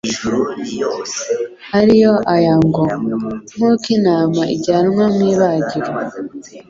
ariyo aya ngo : "Nk'uko intama ijyanwa mu ibagiro."